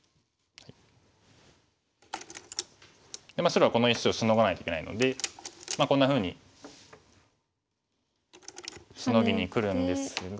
白はこの石をシノがないといけないのでこんなふうにシノぎにくるんですが。